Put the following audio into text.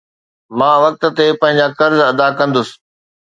مان وقت تي پنهنجا قرض ادا ڪندس